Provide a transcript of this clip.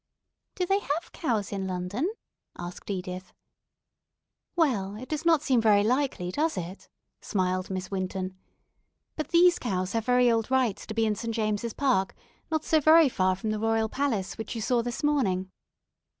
"Do they have cows in London?" asked Edith. "Well, it does not seem likely, does it," smiled Miss Winton, "but these cows have very old rights to be in St. James's Park, not so very far from the Royal Palace, which you saw this morning.